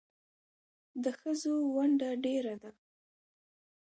د ښځو ونډه ډېره ده